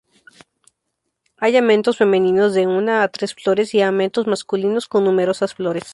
Hay amentos femeninos de una a tres flores y amentos masculinos con numerosas flores.